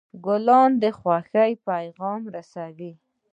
ګلان د خوښۍ پیغام رسوي.